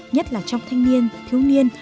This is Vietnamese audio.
nhất là trong thanh niên thiếu niên